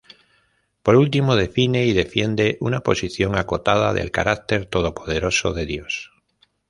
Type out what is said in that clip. Por último, define y defiende una posición acotada del carácter 'todopoderoso' de Dios.